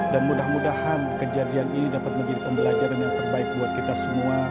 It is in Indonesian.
dan mudah mudahan kejadian ini dapat menjadi pembelajaran yang terbaik buat kita semua